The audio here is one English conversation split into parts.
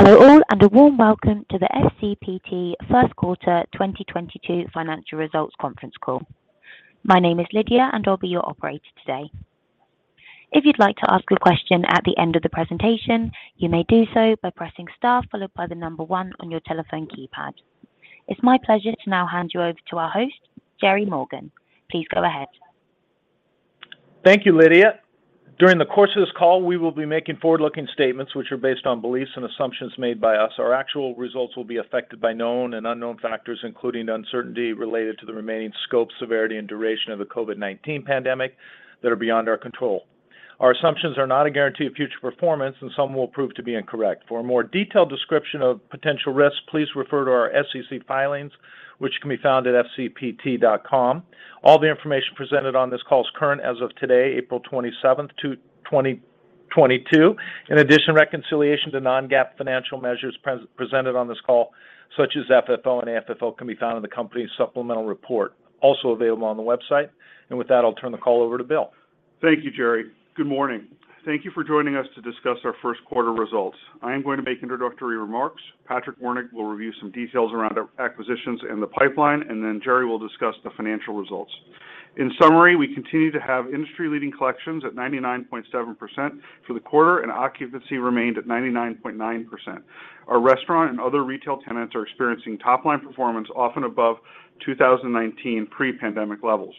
Hello all, and a warm welcome to the FCPT First Quarter 2022 Financial Results Conference Call. My name is Lydia, and I'll be your operator today. If you'd like to ask a question at the end of the presentation, you may do so by pressing star followed by the number one on your telephone keypad. It's my pleasure to now hand you over to our host, Gerry Morgan. Please go ahead. Thank you, Lydia. During the course of this call, we will be making forward-looking statements, which are based on beliefs and assumptions made by us. Our actual results will be affected by known and unknown factors, including the uncertainty related to the remaining scope, severity, and duration of the COVID-19 pandemic that are beyond our control. Our assumptions are not a guarantee of future performance, and some will prove to be incorrect. For a more detailed description of potential risks, please refer to our SEC filings, which can be found at fcpt.com. All the information presented on this call is current as of today, April 27, 2022. In addition, reconciliation to non-GAAP financial measures presented on this call, such as FFO and AFFO, can be found in the company's supplemental report, also available on the website. With that, I'll turn the call over to Bill. Thank you, Gerry. Good morning. Thank you for joining us to discuss our first quarter results. I am going to make introductory remarks. Patrick Wernig will review some details around our acquisitions and the pipeline, and then Gerry will discuss the financial results. In summary, we continue to have industry-leading collections at 99.7% for the quarter, and occupancy remained at 99.9%. Our restaurant and other retail tenants are experiencing top-line performance often above 2019 pre-pandemic levels.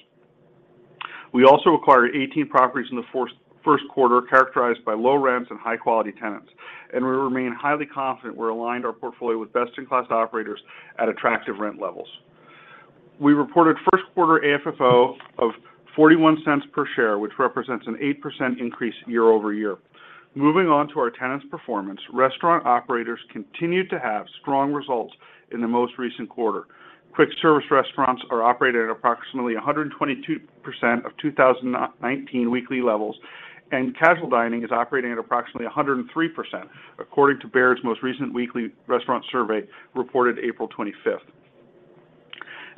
We also acquired 18 properties in the first quarter characterized by low rents and high-quality tenants, and we remain highly confident we're aligned our portfolio with best-in-class operators at attractive rent levels. We reported first quarter AFFO of $0.41 per share, which represents an 8% increase year-over-year. Moving on to our tenants' performance, restaurant operators continued to have strong results in the most recent quarter. Quick service restaurants are operating at approximately 122% of 2019 weekly levels, and casual dining is operating at approximately 103%, according to Baird's most recent weekly restaurant survey reported April 25.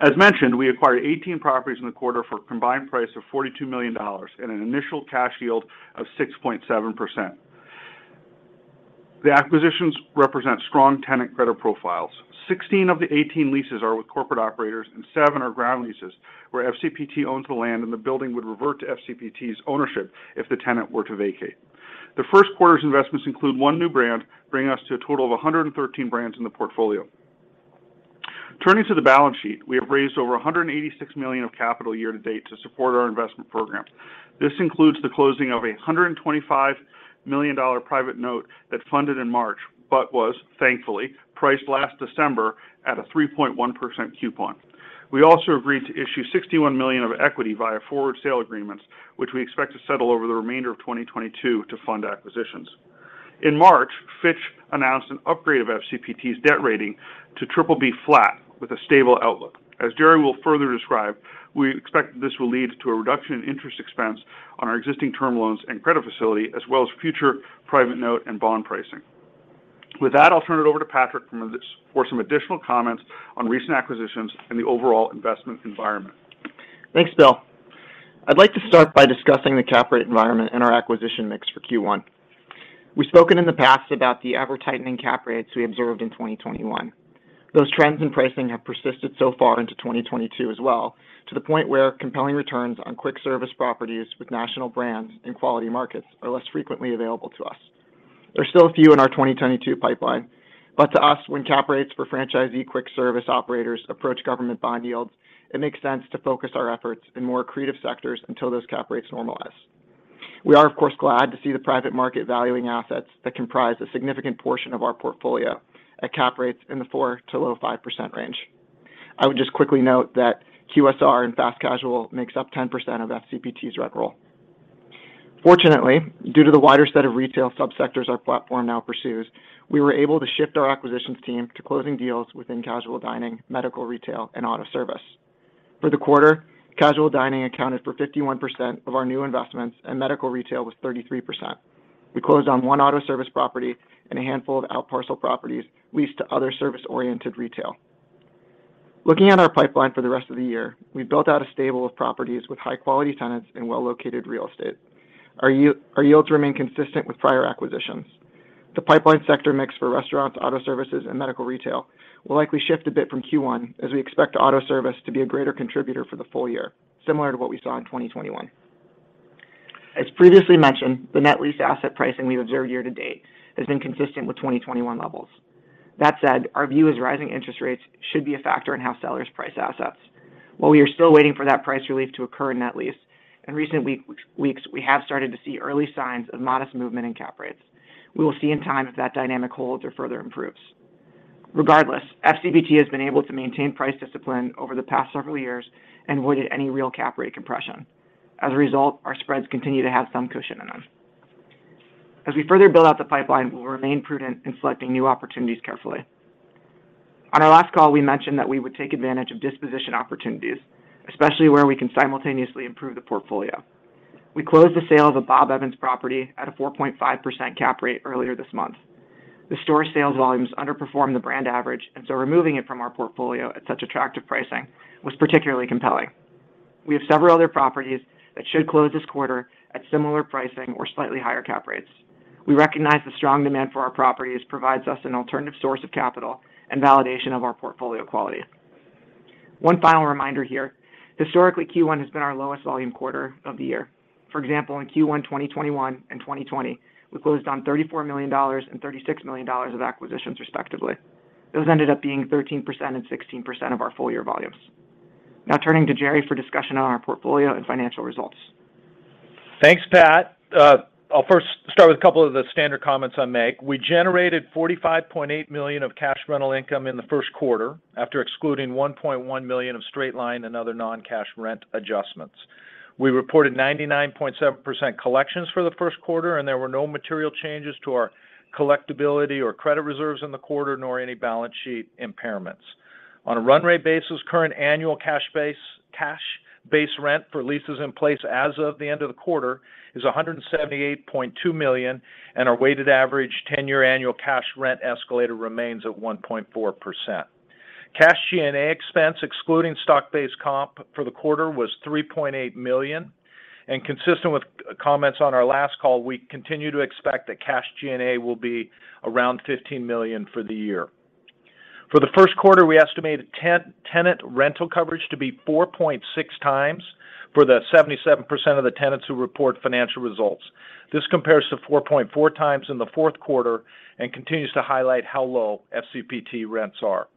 As mentioned, we acquired 18 properties in the quarter for a combined price of $42 million and an initial cash yield of 6.7%. The acquisitions represent strong tenant credit profiles. Sixteen of the 18 leases are with corporate operators, and seven are ground leases where FCPT owns the land, and the building would revert to FCPT's ownership if the tenant were to vacate. The first quarter's investments include one new brand, bringing us to a total of 113 brands in the portfolio. Turning to the balance sheet, we have raised over $186 million of capital year to date to support our investment programs. This includes the closing of a $125 million private note that funded in March, but was thankfully priced last December at a 3.1% coupon. We also agreed to issue $61 million of equity via forward sale agreements, which we expect to settle over the remainder of 2022 to fund acquisitions. In March, Fitch announced an upgrade of FCPT's debt rating to triple B flat with a stable outlook. As Gerry will further describe, we expect this will lead to a reduction in interest expense on our existing term loans and credit facility, as well as future private note and bond pricing. With that, I'll turn it over to Patrick for some additional comments on recent acquisitions and the overall investment environment. Thanks, Bill. I'd like to start by discussing the cap rate environment and our acquisition mix for Q1. We've spoken in the past about the ever-tightening cap rates we observed in 2021. Those trends in pricing have persisted so far into 2022 as well to the point where compelling returns on quick service properties with national brands in quality markets are less frequently available to us. There's still a few in our 2022 pipeline. But to us, when cap rates for franchisee quick service operators approach government bond yields, it makes sense to focus our efforts in more accretive sectors until those cap rates normalize. We are, of course, glad to see the private market valuing assets that comprise a significant portion of our portfolio at cap rates in the 4%-low 5% range. I would just quickly note that QSR and fast casual makes up 10% of FCPT's rent roll. Fortunately, due to the wider set of retail subsectors our platform now pursues, we were able to shift our acquisitions team to closing deals within casual dining, medical retail, and auto service. For the quarter, casual dining accounted for 51% of our new investments, and medical retail was 33%. We closed on one auto service property and a handful of outparcel properties leased to other service-oriented retail. Looking at our pipeline for the rest of the year, we built out a stable of properties with high-quality tenants and well-located real estate. Our yields remain consistent with prior acquisitions. The pipeline sector mix for restaurants, auto services, and medical retail will likely shift a bit from Q1 as we expect auto service to be a greater contributor for the full year, similar to what we saw in 2021. As previously mentioned, the net lease asset pricing we've observed year to date has been consistent with 2021 levels. That said, our view is rising interest rates should be a factor in how sellers price assets. While we are still waiting for that price relief to occur in net lease, in recent weeks, we have started to see early signs of modest movement in cap rates. We will see in time if that dynamic holds or further improves. Regardless, FCPT has been able to maintain price discipline over the past several years and avoided any real cap rate compression. As a result, our spreads continue to have some cushion in them. As we further build out the pipeline, we'll remain prudent in selecting new opportunities carefully. On our last call, we mentioned that we would take advantage of disposition opportunities, especially where we can simultaneously improve the portfolio. We closed the sale of a Bob Evans property at a 4.5% cap rate earlier this month. The store's sales volumes underperformed the brand average, and so removing it from our portfolio at such attractive pricing was particularly compelling. We have several other properties that should close this quarter at similar pricing or slightly higher cap rates. We recognize the strong demand for our properties provides us an alternative source of capital and validation of our portfolio quality. One final reminder here. Historically, Q1 has been our lowest volume quarter of the year. For example, in Q1 2021 and 2020, we closed on $34 million and $36 million of acquisitions respectively. Those ended up being 13% and 16% of our full year volumes. Now turning to Gerry for discussion on our portfolio and financial results. Thanks, Patrick. I'll first start with a couple of the standard comments I make. We generated $45.8 million of cash rental income in the first quarter, after excluding $1.1 million of straight-line and other non-cash rent adjustments. We reported 99.7% collections for the first quarter, and there were no material changes to our collectibility or credit reserves in the quarter, nor any balance sheet impairments. On a run rate basis, current annual cash base rent for leases in place as of the end of the quarter is $178.2 million, and our weighted average 10-year annual cash rent escalator remains at 1.4%. Cash G&A expense excluding stock-based comp for the quarter was $3.8 million. Consistent with comments on our last call, we continue to expect that cash G&A will be around $15 million for the year. For the first quarter, we estimated 10-tenant rental coverage to be 4.6 times for the 77% of the tenants who report financial results. This compares to 4.4 times in the fourth quarter and continues to highlight how low FCPT rents are.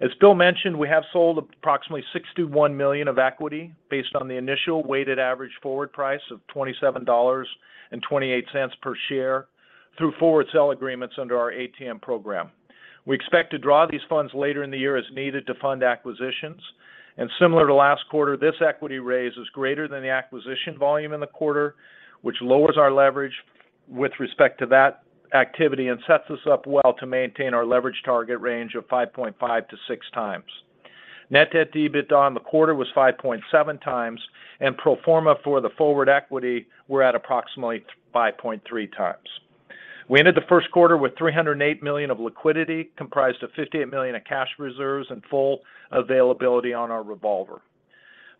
As Bill mentioned, we have sold approximately $61 million of equity based on the initial weighted average forward price of $27.28 per share through forward sale agreements under our ATM program. We expect to draw these funds later in the year as needed to fund acquisitions. Similar to last quarter, this equity raise is greater than the acquisition volume in the quarter, which lowers our leverage with respect to that activity and sets us up well to maintain our leverage target range of 5.5-6 times. Net debt to EBITDA on the quarter was 5.7 times, and pro forma for the forward equity, we're at approximately 5.3 times. We ended the first quarter with $308 million of liquidity, comprised of $58 million of cash reserves and full availability on our revolver.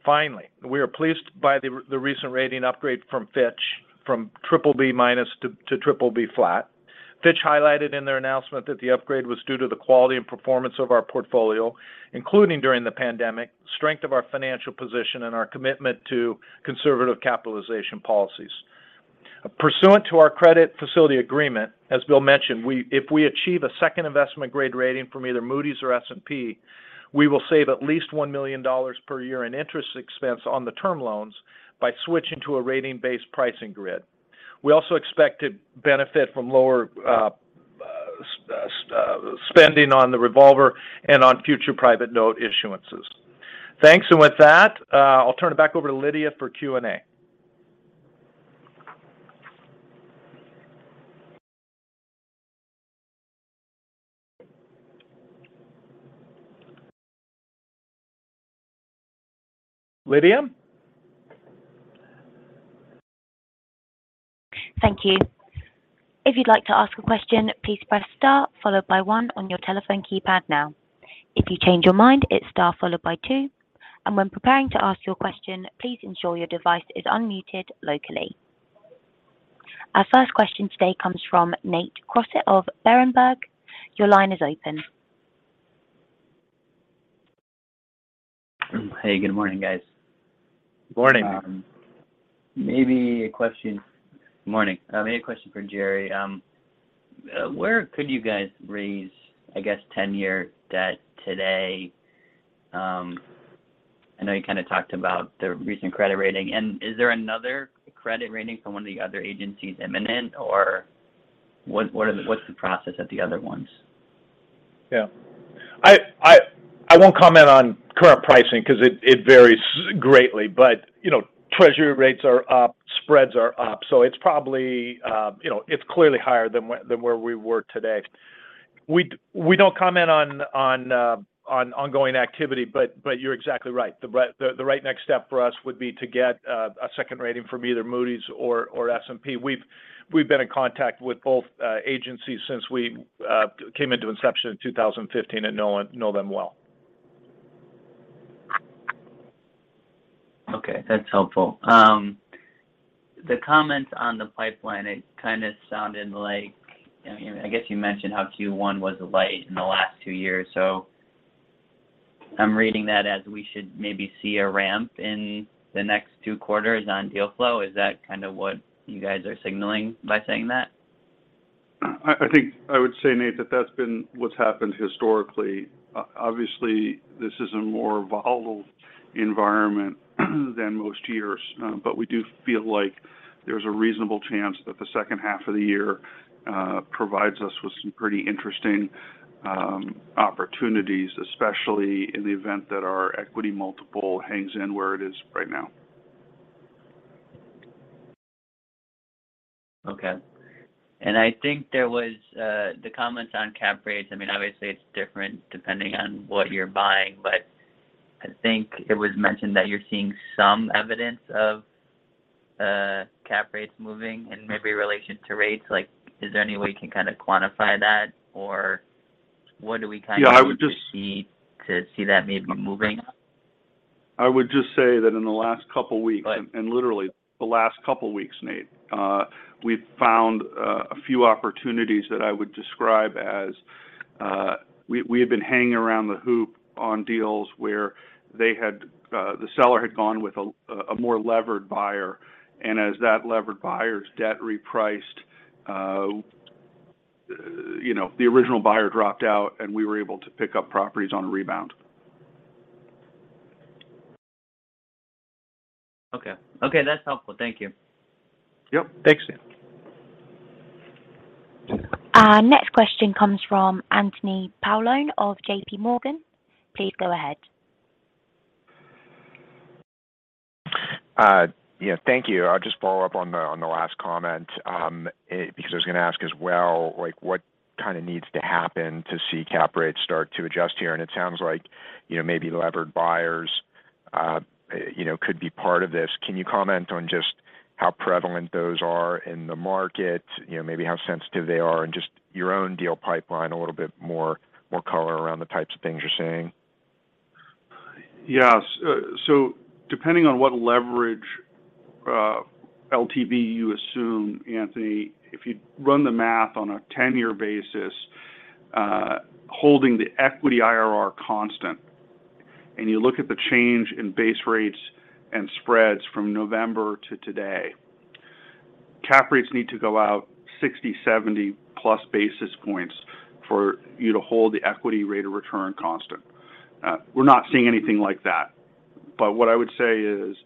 Finally, we are pleased by the recent rating upgrade from Fitch from BBB- to BBB. Fitch highlighted in their announcement that the upgrade was due to the quality and performance of our portfolio, including during the pandemic, strength of our financial position, and our commitment to conservative capitalization policies. Pursuant to our credit facility agreement, as Bill mentioned, if we achieve a second investment grade rating from either Moody's or S&P, we will save at least $1 million per year in interest expense on the term loans by switching to a rating-based pricing grid. We also expect to benefit from lower spending on the revolver and on future private note issuances. Thanks. With that, I'll turn it back over to Lydia for Q&A. Lydia? Thank you. If you'd like to ask a question, please press star followed by one on your telephone keypad now. If you change your mind, it's star followed by two. When preparing to ask your question, please ensure your device is unmuted locally. Our first question today comes from Nate Crossett of Berenberg. Your line is open. Hey, good morning, guys. Good morning. Morning. I may have a question for Gerry. Where could you guys raise, I guess, 10-year debt today? I know you kind of talked about the recent credit rating. Is there another credit rating from one of the other agencies imminent? Or what's the process at the other ones? Yeah. I won't comment on current pricing 'cause it varies greatly. You know, treasury rates are up, spreads are up, so it's probably, you know, it's clearly higher than where we were today. We don't comment on ongoing activity, but you're exactly right. The right next step for us would be to get a second rating from either Moody's or S&P. We've been in contact with both agencies since we came into inception in 2015 and know them well. Okay, that's helpful. The comments on the pipeline, it kind of sounded like I guess you mentioned how Q1 was light in the last two years, so I'm reading that as we should maybe see a ramp in the next two quarters on deal flow. Is that kind of what you guys are signaling by saying that? I think I would say, Nate, that that's been what's happened historically. Obviously, this is a more volatile environment than most years. We do feel like there's a reasonable chance that the second half of the year provides us with some pretty interesting opportunities, especially in the event that our equity multiple hangs in where it is right now. Okay. I think there was the comments on cap rates. I mean, obviously it's different depending on what you're buying. I think it was mentioned that you're seeing some evidence of Cap rates moving in maybe relation to rates. Like, is there any way you can kind of quantify that? Or what do we kind of- Yeah, I would just. Need to see that maybe moving? I would just say that in the last couple weeks. Right Literally the last couple weeks, Nate, we've found a few opportunities that I would describe as we have been hanging around the hoop on deals where the seller had gone with a more levered buyer. As that levered buyer's debt repriced, you know, the original buyer dropped out, and we were able to pick up properties on a rebound. Okay. Okay, that's helpful. Thank you. Yep. Thanks. Our next question comes from Anthony Paolone of JPMorgan. Please go ahead. Yeah, thank you. I'll just follow up on the last comment, because I was gonna ask as well, like, what kind of needs to happen to see cap rates start to adjust here? It sounds like, you know, maybe levered buyers, you know, could be part of this. Can you comment on just how prevalent those are in the market, you know, maybe how sensitive they are and just your own deal pipeline, a little bit more color around the types of things you're seeing? Yes. So depending on what leverage, LTV you assume, Anthony, if you run the math on a 10-year basis, holding the equity IRR constant, and you look at the change in base rates and spreads from November to today, cap rates need to go out 60, 70 plus basis points for you to hold the equity rate of return constant. We're not seeing anything like that. What I would say is,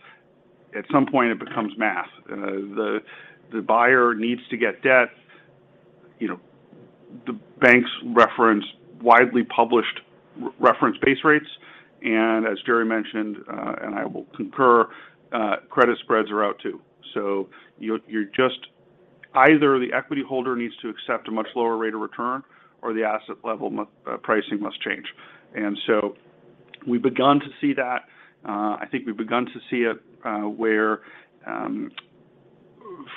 at some point it becomes math. The buyer needs to get debt. You know, the banks reference widely published reference base rates. As Gerry mentioned, and I will concur, credit spreads are out too. You're just either the equity holder needs to accept a much lower rate of return or the asset level pricing must change. We've begun to see that. I think we've begun to see it, where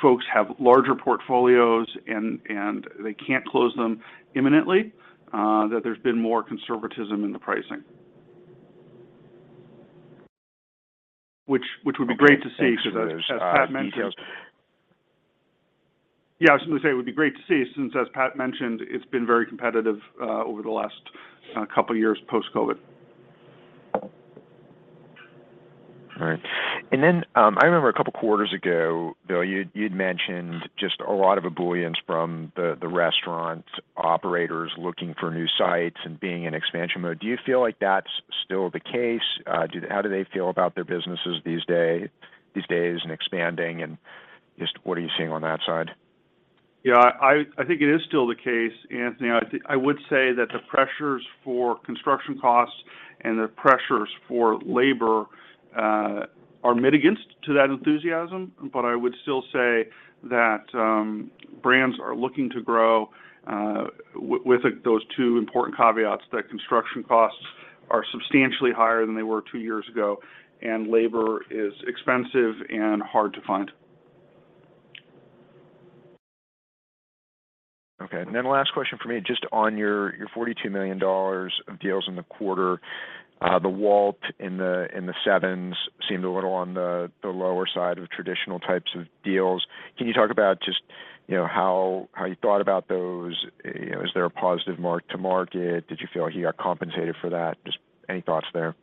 folks have larger portfolios and they can't close them imminently, that there's been more conservatism in the pricing. Which would be great to see because as Pat mentioned- Okay. Thanks. Those details. Yeah, I was gonna say it would be great to see since, as Pat mentioned, it's been very competitive over the last kind of couple years post-COVID. All right. I remember a couple quarters ago, Bill, you'd mentioned just a lot of ebullience from the restaurant operators looking for new sites and being in expansion mode. Do you feel like that's still the case? How do they feel about their businesses these days and expanding and just what are you seeing on that side? Yeah. I think it is still the case, Anthony. I would say that the pressures for construction costs and the pressures for labor are mitigants to that enthusiasm. I would still say that brands are looking to grow with those two important caveats, that construction costs are substantially higher than they were two years ago, and labor is expensive and hard to find. Okay. Last question from me, just on your $42 million of deals in the quarter. The WALT in the 7s seemed a little on the lower side of traditional types of deals. Can you talk about just, you know, how you thought about those? You know, is there a positive mark to market? Did you feel like you got compensated for that? Just any thoughts there?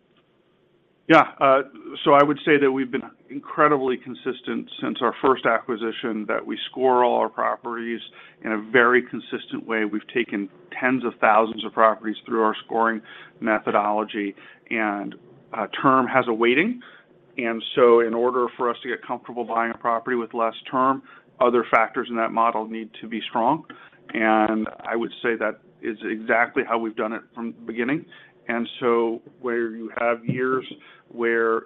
I would say that we've been incredibly consistent since our first acquisition, that we score all our properties in a very consistent way. We've taken tens of thousands of properties through our scoring methodology. Term has a weighting. In order for us to get comfortable buying a property with less term, other factors in that model need to be strong. I would say that is exactly how we've done it from the beginning. Where you have years where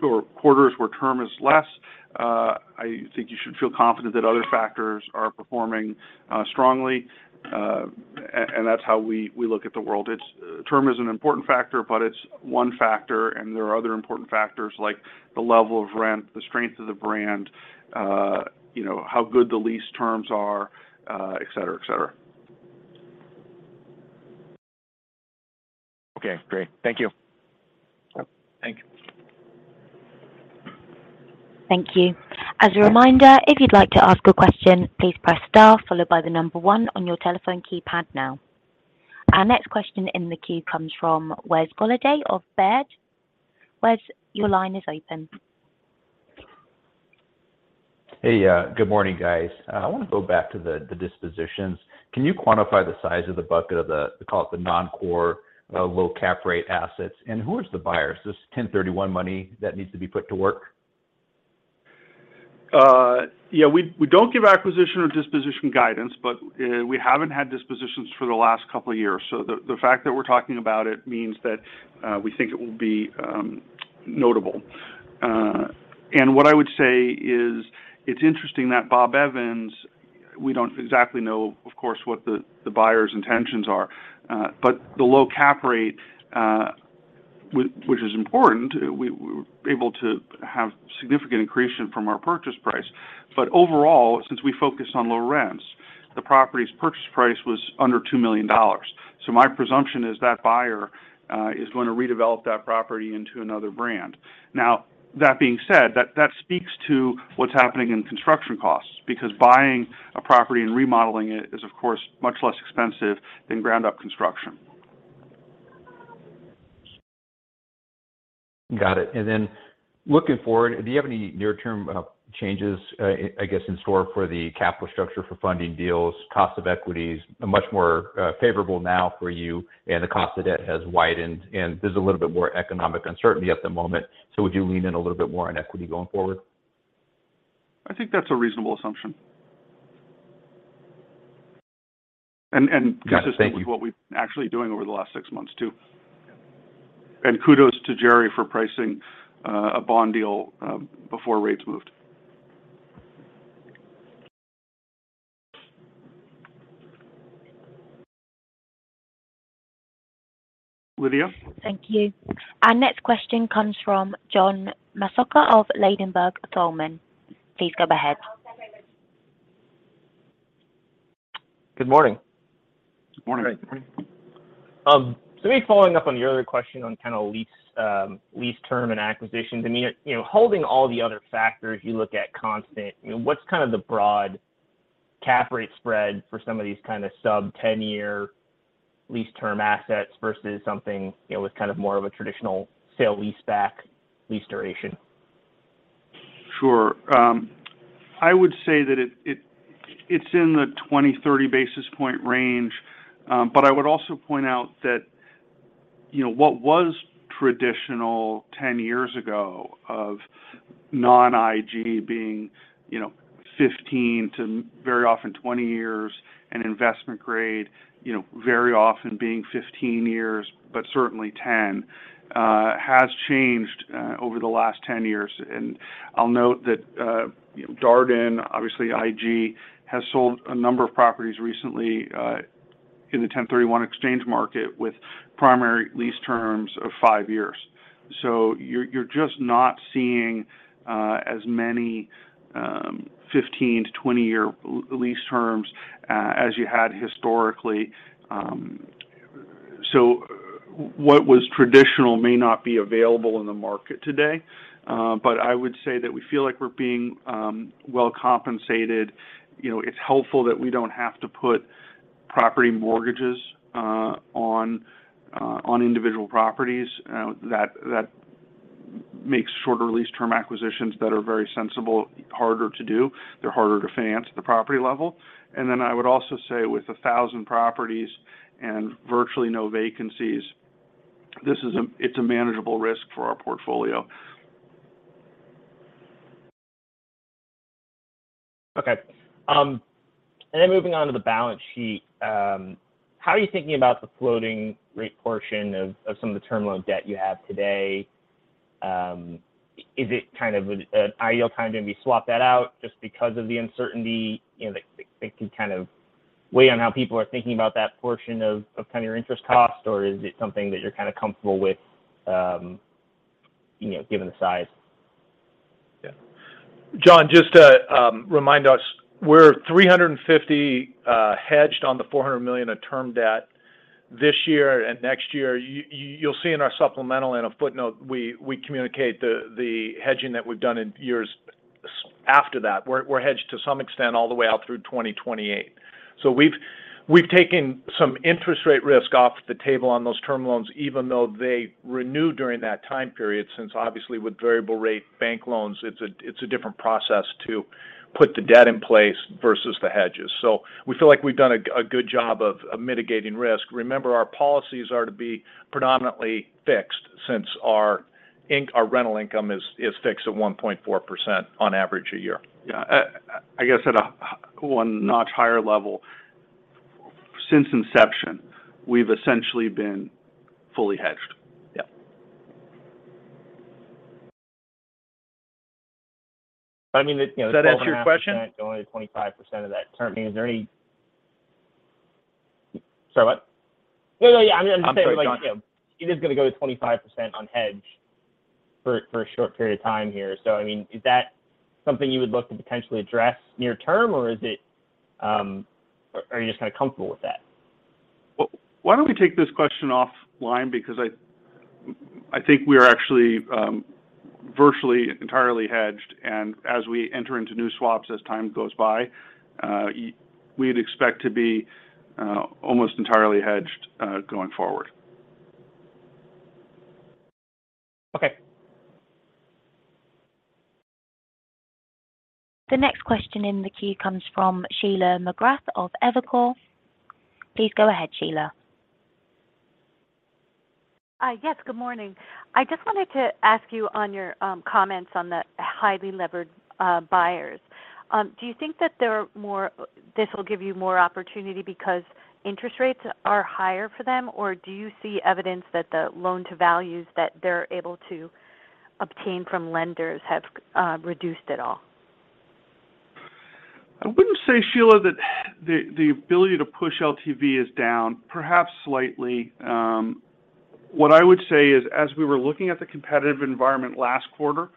or quarters where term is less, I think you should feel confident that other factors are performing strongly. That's how we look at the world. It's term is an important factor, but it's one factor. There are other important factors like the level of rent, the strength of the brand, you know, how good the lease terms are, et cetera, et cetera. Okay, great. Thank you. Yep. Thank you. Thank you. As a reminder, if you'd like to ask a question, please press star followed by the number one on your telephone keypad now. Our next question in the queue comes from Wes Golladay of Baird. Wes, your line is open. Hey. Good morning, guys. I wanna go back to the dispositions. Can you quantify the size of the bucket of the call it the non-core, low cap rate assets? Who is the buyer? Is this 1031 money that needs to be put to work? Yeah. We don't give acquisition or disposition guidance, but we haven't had dispositions for the last couple of years. The fact that we're talking about it means that we think it will be notable. What I would say is, it's interesting that Bob Evans, we don't exactly know, of course, what the buyer's intentions are. But the low cap rate, which is important. We were able to have significant increase from our purchase price. Overall, since we focus on low rents, the property's purchase price was under $2 million. My presumption is that buyer is gonna redevelop that property into another brand. Now that being said, that speaks to what's happening in construction costs because buying a property and remodeling it is, of course, much less expensive than ground up construction. Got it. Looking forward, do you have any near-term changes, I guess, in store for the capital structure for funding deals, cost of equity? Much more favorable now for you, and the cost of debt has widened, and there's a little bit more economic uncertainty at the moment, so would you lean in a little bit more on equity going forward? I think that's a reasonable assumption. Yes. Thank you. consistently what we've been actually doing over the last six months too. Kudos to Gerry for pricing a bond deal before rates moved. Lydia? Thank you. Our next question comes from John Massocca of Ladenburg Thalmann. Please go ahead. Good morning. Morning. Morning. Maybe following up on your other question on kinda lease term and acquisitions. I mean, you know, holding all the other factors you look at constant, you know, what's kind of the broad cap rate spread for some of these kind of sub 10-year lease term assets versus something, you know, with kind of more of a traditional sale lease back lease duration? Sure. I would say that it's in the 20-30 basis point range. I would also point out that, you know, what was traditional 10 years ago of non-IG being, you know, 15 to very often 20 years and investment grade, you know, very often being 15 years, but certainly 10, has changed over the last 10 years. I'll note that, you know, Darden, obviously IG, has sold a number of properties recently in the 1031 exchange market with primary lease terms of 5 years. You're just not seeing as many 15-20-year lease terms as you had historically. What was traditional may not be available in the market today. I would say that we feel like we're being well compensated. You know, it's helpful that we don't have to put property mortgages on individual properties. That makes shorter lease term acquisitions that are very sensible harder to do. They're harder to finance at the property level. I would also say with 1,000 properties and virtually no vacancies, it's a manageable risk for our portfolio. Okay. Moving on to the balance sheet, how are you thinking about the floating rate portion of some of the term loan debt you have today? Is it kind of an ideal time to maybe swap that out just because of the uncertainty, you know, that could kind of weigh on how people are thinking about that portion of kind of your interest cost, or is it something that you're kind of comfortable with, you know, given the size? Yeah. John, just to remind us, we're $350 million hedged on the $400 million of term debt this year and next year. You'll see in our supplemental and a footnote, we communicate the hedging that we've done in years after that. We're hedged to some extent all the way out through 2028. We've taken some interest rate risk off the table on those term loans, even though they renew during that time period, since obviously with variable rate bank loans, it's a different process to put the debt in place versus the hedges. We feel like we've done a good job of mitigating risk. Remember, our policies are to be predominantly fixed since our rental income is fixed at 1.4% on average a year. Yeah. I guess at a one notch higher level, since inception, we've essentially been fully hedged. Yeah. I mean, you know. Does that answer your question? going to 25% of that term. I mean, is there any? Sorry, what? No, no, yeah. I mean, I'm just saying, like. I'm sorry, John. You know, it is gonna go to 25% unhedged for a short period of time here. I mean, is that something you would look to potentially address near term, or is it, are you just kinda comfortable with that? Why don't we take this question offline? Because I think we're actually virtually entirely hedged, and as we enter into new swaps as time goes by, we'd expect to be almost entirely hedged going forward. Okay. The next question in the queue comes from Sheila McGrath of Evercore. Please go ahead, Sheila. Yes, good morning. I just wanted to ask you on your comments on the highly levered buyers. Do you think that this will give you more opportunity because interest rates are higher for them, or do you see evidence that the loan to values that they're able to obtain from lenders have reduced at all? I wouldn't say, Sheila, that the ability to push LTV is down, perhaps slightly. What I would say is, as we were looking at the competitive environment last quarter,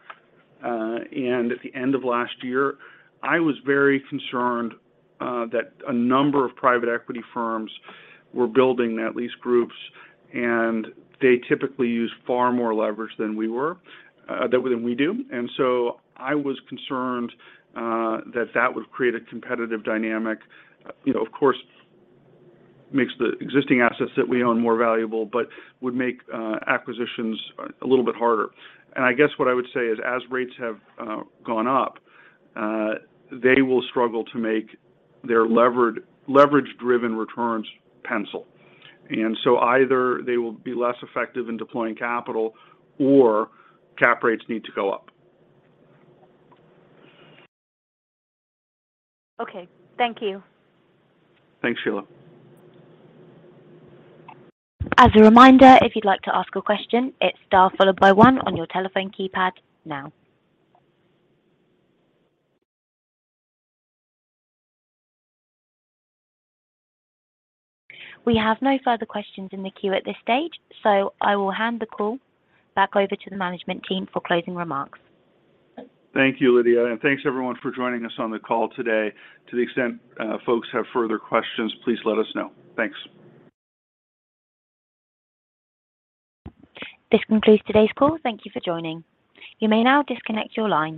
and at the end of last year, I was very concerned, that a number of private equity firms were building net lease groups, and they typically use far more leverage than we do. I guess what I would say is, as rates have gone up, they will struggle to make their leverage-driven returns pencil. Either they will be less effective in deploying capital or cap rates need to go up. Okay. Thank you. Thanks, Sheila. As a reminder, if you'd like to ask a question, it's star followed by one on your telephone keypad now. We have no further questions in the queue at this stage, so I will hand the call back over to the management team for closing remarks. Thank you, Lydia. Thanks everyone for joining us on the call today. To the extent folks have further questions, please let us know. Thanks. This concludes today's call. Thank you for joining. You may now disconnect your line.